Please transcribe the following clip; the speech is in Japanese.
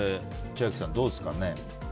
千秋さん、どうですか？